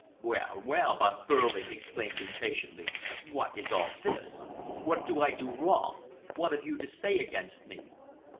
"Well, well!" Von Behrling exclaimed impatiently, "what is all this? What do I do wrong? What have you to say against me?